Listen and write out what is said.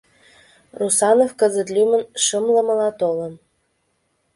Русанов кызыт лӱмын шымлымыла толын.